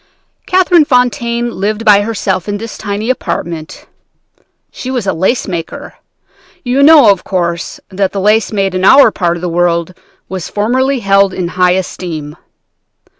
"Catherine Fontaine lived by herself in this tiny apartment. She was a lace maker. You know, of course, that the lace made in our part of the world was formerly held in high esteem.